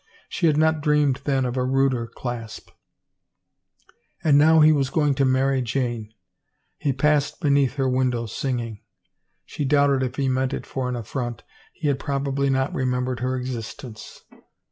She had not dreamed then of a ruder clasp ! And now he was going to marry Jane. He passed beneath her window, singing. She doubted if he meant it for an affront. He had probably not remembered her existence.